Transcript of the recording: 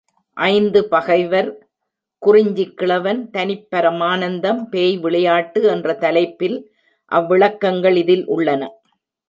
ஐந்து பகைவர், குறிஞ்சிக் கிழவன், தனிப்பரமானந்தம், பேய் விளையாட்டு என்ற தலைப்பில் அவ்விளக்கங்கள் இதில் உள்ளன.